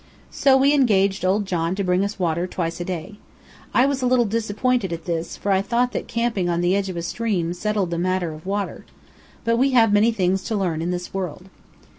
So we engaged old John to bring us water twice a day. I was a little disappointed at this, for I thought that camping on the edge of a stream settled the matter of water. But we have many things to learn in this world.